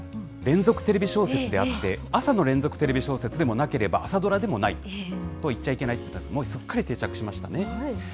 連続テレビ小説であって、朝の連続テレビ小説でもなければ、朝ドラでもないと、言っちゃいけないと、もうすっかり定着しましたね。